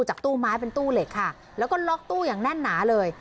ตู้ไม้เป็นตู้เหล็กค่ะแล้วก็ล็อกตู้อย่างแน่นหนาเลย